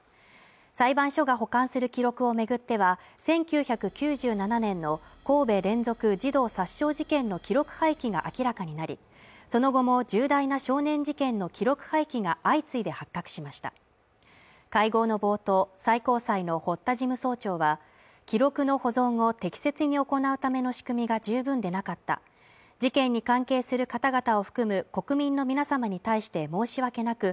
裁判所が保管する記録をめぐっては１９９７年の神戸連続児童殺傷事件の記録廃棄が明らかになりその後も重大な少年事件の記録廃棄が相次いで発覚しました会合の冒頭最高裁の堀田事務総長は記録の保存を適切に行うための仕組みが十分でなかった事件に関係する方々を含む国民の皆様に対して申し訳なく